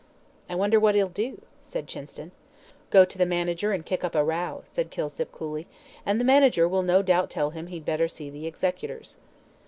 "I wonder what he'll do," said Chinston. "Go to the manager and kick up a row," said Kilsip, coolly, "and the manager will no doubt tell him he'd better see the executors."